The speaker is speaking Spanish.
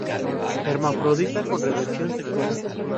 Hermafrodita con reversión sexual.